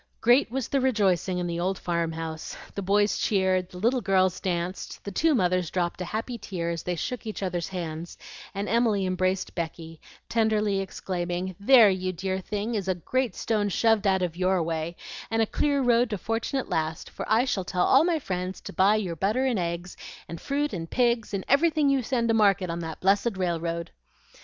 Great was the rejoicing in the old farm house; the boys cheered, the little girls danced, the two mothers dropped a happy tear as they shook each other's hands, and Emily embraced Becky, tenderly exclaiming, "There, you dear thing, is a great stone shoved out of YOUR way, and a clear road to fortune at last; for I shall tell all my friends to buy your butter and eggs, and fruit and pigs, and everything you send to market on that blessed railroad."